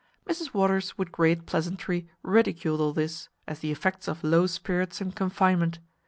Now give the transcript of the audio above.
Mrs Waters with great pleasantry ridiculed all this, as the effects of low spirits and confinement.